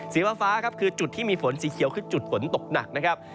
ฟ้าครับคือจุดที่มีฝนสีเขียวคือจุดฝนตกหนักนะครับ